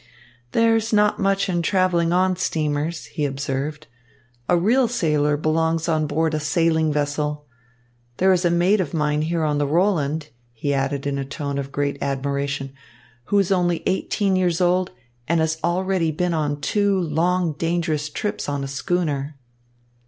"There is not much in travelling on steamers," he observed. "A real sailor belongs on board a sailing vessel. There is a mate of mine here on the Roland," he added in a tone of great admiration, "who is only eighteen years old and has already been on two long, dangerous trips on a schooner."